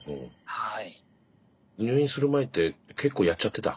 はい。